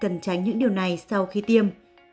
cần tránh những điều này sau khi tiêm